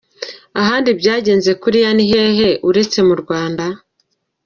Ahandi byagenze kuriya ni hehe uretse mu Rwanda?